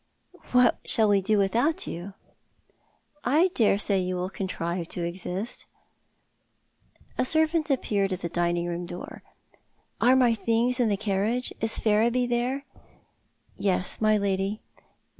" What shall we do without you ?"" I dare say you will contrive to exist." A servant appeared at the dining room door. " Are my things in the carriage— is Ferriby there? "" Yes, my lady.